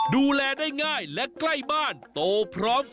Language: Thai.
ดูแลได้ง่ายและใกล้บ้านโตพร้อม